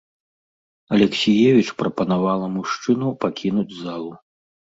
Алексіевіч прапанавала мужчыну пакінуць залу.